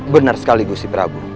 benar sekali gusi prabu